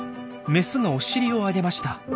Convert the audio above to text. メスがお尻を上げました。